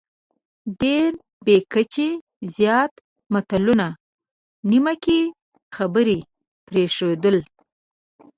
ډېر بې کچې زیات متلونه، نیمه کې خبرې پرېښودل،